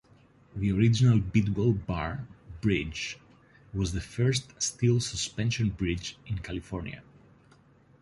The original Bidwell Bar Bridge was the first steel suspension bridge in California.